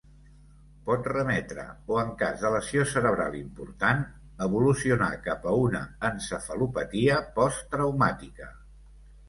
Pot remetre o en cas de lesió cerebral important, evolucionar cap a una encefalopatia posttraumàtica.